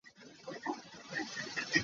Ralsa na ka lak.